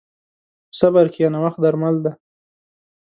په صبر کښېنه، وخت درمل دی.